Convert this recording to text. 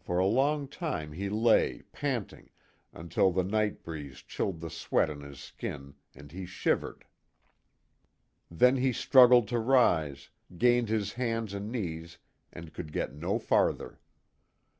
For a long time he lay, panting, until the night breeze chilled the sweat on his skin, and he shivered. Then he struggled to rise, gained his hands and knees and could get no farther.